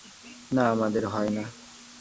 না, আমাদের হয় না।